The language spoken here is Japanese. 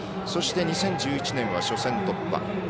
そして、２０１１年は初戦突破。